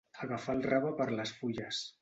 Agafar el rave per les fulles.